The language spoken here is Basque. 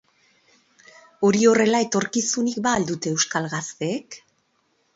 Hori horrela, etorkizunik ba al dute euskal gazteek?